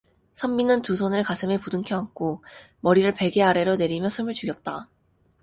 선비는 두 손을 가슴에 부둥켜안고 머리를 베개 아래로 내리며 숨을 죽였다.